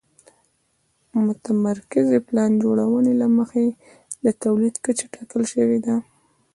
متمرکزې پلان جوړونې له مخې د تولید کچه ټاکل شوې وه.